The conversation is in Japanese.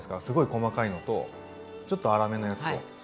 すごい細かいのとちょっと粗めのやつと。